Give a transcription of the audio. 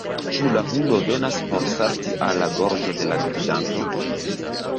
Ĉu la hundo venas por salti al la gorĝo de la gvidanto?